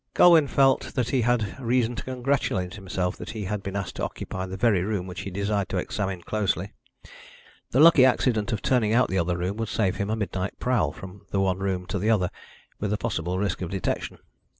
Colwyn felt that he had reason to congratulate himself that he had been asked to occupy the very room which he desired to examine closely. The lucky accident of turning out the other room would save him a midnight prowl from the one room to the other, with the possible risk of detection.